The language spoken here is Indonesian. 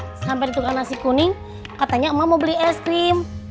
iya sampai di tukang nasi kuning katanya emak mau beli es krim